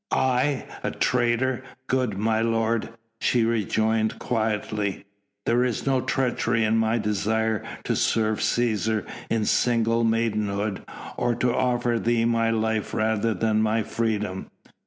"I! a traitor, good my lord!" she rejoined quietly. "There is no treachery in my desire to serve Cæsar in single maidenhood, or to offer thee my life rather than my freedom."